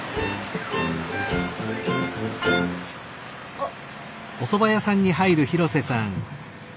あっ。